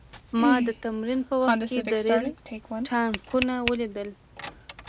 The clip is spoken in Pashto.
ما د تمرین په وخت کې د ریل ټانکونه ولیدل